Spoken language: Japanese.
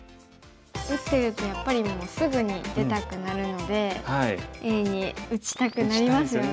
打ってるとやっぱりもうすぐに出たくなるのでＡに打ちたくなりますよね。